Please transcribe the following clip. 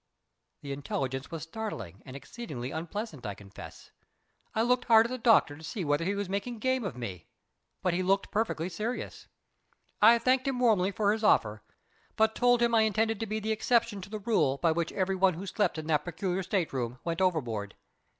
The intelligence was startling and exceedingly unpleasant, I confess. I looked hard at the doctor to see whether he was making game of me, but he looked perfectly serious. I thanked him warmly for his offer, but told him I intended to be the exception to the rule by which every one who slept in that particular state room went overboard.